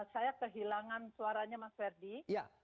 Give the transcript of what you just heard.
saya kehilangan suaranya mas ferdi